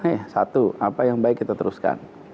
eh satu apa yang baik kita teruskan